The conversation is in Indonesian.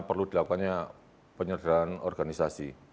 perlu dilakukannya penyederhan organisasi